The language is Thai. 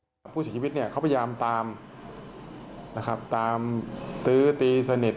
กับผู้เสียชีวิตเนี่ยเขาพยายามตามนะครับตามตื้อตีสนิท